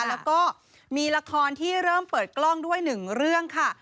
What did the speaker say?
แล้วก็มีละครที่เริ่มเปิดกล้องด้วยหนึ่งเรื่องค่ะ